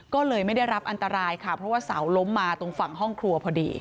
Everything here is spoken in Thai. ก็เลยไม่ได้รับอันตรายค่ะเพราะว่าเสาล้มมาตรงฝั่งห้องครัวพอดี